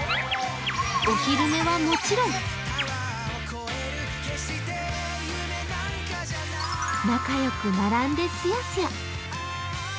お昼寝はもちろん仲良く並んですやすや。